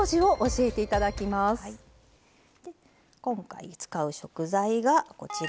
今回使う食材がこちら。